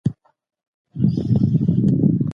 په دسې ټولنه کې کتاب لوستل کم ارزښت ګڼل کېږي.